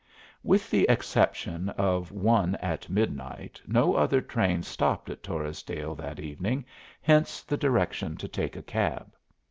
With the exception of one at midnight, no other train stopped at Torresdale that evening, hence the direction to take a cab.